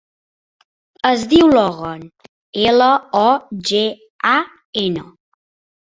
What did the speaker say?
Es diu Logan: ela, o, ge, a, ena.